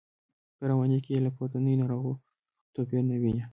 په رواني کې یې له پورتنیو نارو توپیر نه ویني.